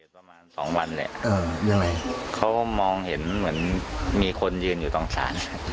สองวันแหละเขามองเห็นเหมือนมีคนยืนอยู่ตรงศาล